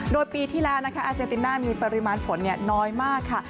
โดยปีที่แล้วนะคะอาเจนติน่ามีปริมาณฝนน้อยมากค่ะ